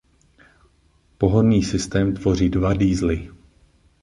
Pohonný systém tvoří dva diesely.